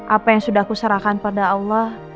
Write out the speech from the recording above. apa yang sudah aku serahkan pada allah